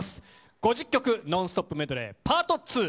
５０曲ノンストップメドレーＰａｒｔ２。